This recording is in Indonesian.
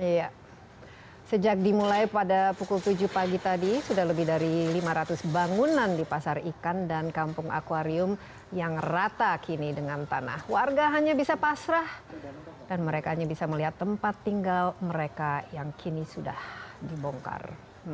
iya sejak dimulai pada pukul tujuh pagi tadi sudah lebih dari lima ratus bangunan di pasar ikan dan kampung akwarium yang rata kini dengan tanah warga hanya bisa pasrah dan mereka hanya bisa melihat tempat tinggal mereka yang kini sudah dibongkar